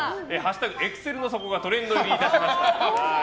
エクセルの底」がトレンド入りいたしました。